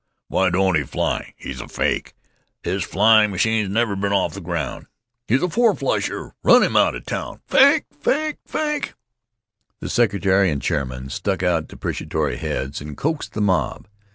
Why don't he fly? He's a fake! His flying machine's never been off the ground! He's a four flusher! Run 'im out of town! Fake! Fake! Fake!" The secretary and chairman stuck out deprecatory heads and coaxed the mob.